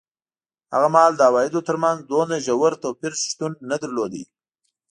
هغه مهال د عوایدو ترمنځ دومره ژور توپیر شتون نه درلود.